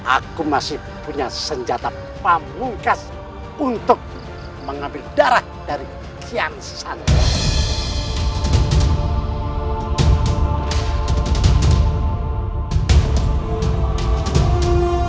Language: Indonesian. aku masih punya senjata pamungkas untuk mengambil darah dari kian santri